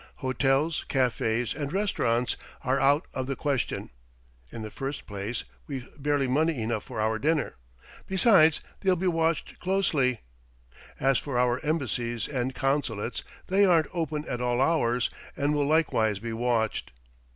Hotels, cafés and restaurants are out of the question: in the first place, we've barely money enough for our dinner; besides, they'll be watched closely; as for our embassies and consulates, they aren't open at all hours, and will likewise be watched.